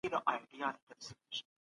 ټولنيز ځواکونه تل په کشمکش کي نه وي.